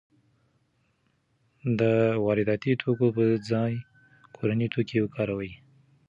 د وارداتي توکو په ځای کورني توکي وکاروئ.